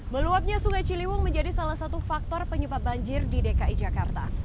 meluapnya sungai ciliwung menjadi salah satu faktor penyebab banjir di dki jakarta